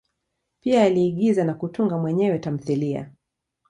Pia aliigiza na kutunga mwenyewe tamthilia.